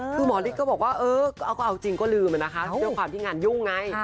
คือหมอฤทธิ์ก็บอกว่าเออก็เอาจริงก็ลืมนะคะด้วยความที่งานยุ่งไง